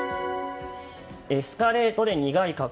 エスカレートで苦い過去。